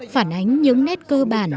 phản ánh những nét cơ bản